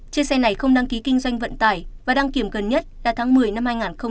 chiếc xe này không đăng ký kinh doanh vận tải và đăng kiểm gần nhất là tháng một mươi năm hai nghìn một mươi chín